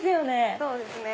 そうですね。